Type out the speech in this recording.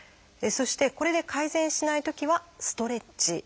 そしてこれで改善しないときは「ストレッチ」。